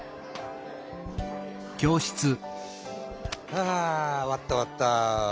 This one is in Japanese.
ハァ終わった終わった！